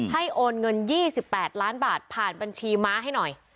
โอนเงิน๒๘ล้านบาทผ่านบัญชีม้าให้หน่อย